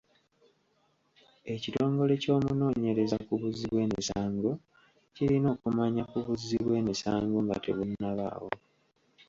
Ekitongole ky'obunonyereza ku buzzi bw'emisango kirina okumanya ku buzzi bw'emisango nga tebunnabaawo.